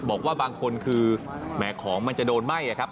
บอกว่าบางคนคือแหมของมันจะโดนไหม้อะครับ